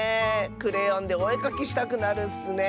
クレヨンでおえかきしたくなるッスねえ。